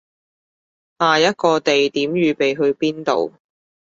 下一個地點預備去邊度